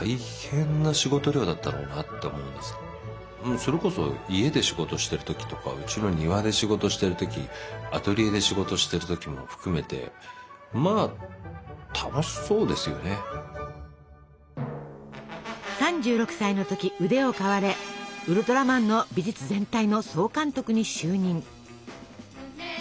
それこそ家で仕事してる時とかうちの庭で仕事してる時アトリエで仕事してる時も含めて３６歳の時腕を買われウルトラマンの美術全体の総監督に就任。